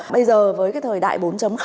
bây giờ với cái thời đại bốn